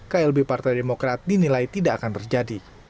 klb partai demokrat dinilai tidak akan terjadi